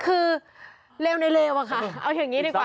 คือเลวในเลวอะค่ะเอาอย่างนี้ดีกว่า